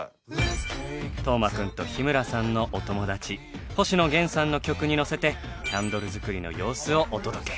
斗真くんと日村さんのお友達星野源さんの曲にのせてキャンドル作りの様子をお届け。